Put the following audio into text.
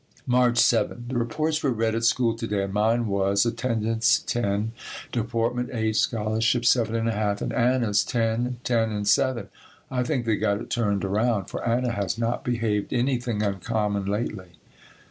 March 7. The reports were read at school to day and mine was, Attendance 10, Deportment 8, Scholarship 7 1/2, and Anna's 10, 10 and 7. I think they got it turned around, for Anna has not behaved anything uncommon lately.